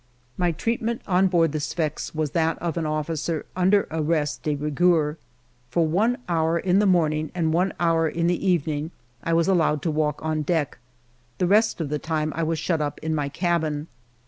My treatment on board the Sfax was that of an officer under arrest de rigueur. For one hour in the morning and one hour in the evening I was allowed to walk on deck ; the rest of the time I was shut up in my cabin.